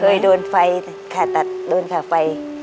เคยโดนไฟผ่าตัดโดนขาดไฟ